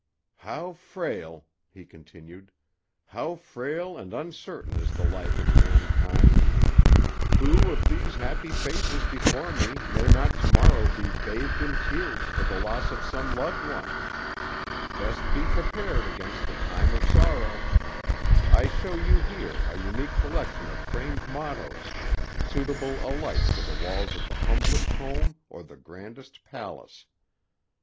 "How frail," he continued: "How frail and uncertain is the life of mankind! Who of these happy faces before me may not to morrow be bathed in tears for the loss of some loved one? Best be prepared against the time of sorrow. I show you here a unique collection of framed mottoes, suitable alike for the walls of the humblest home or the grandest palace.